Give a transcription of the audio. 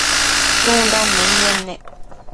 tsundan menied ne?